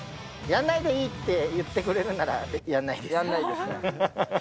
やらないでいいって言ってくれるならやらないです。